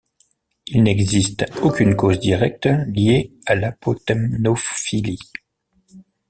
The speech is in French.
Il n'existe aucune cause directe liée à l'apotemnophilie.